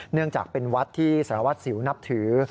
เนื่องจากเป็นวัดที่สารวัตรสิวนับถือ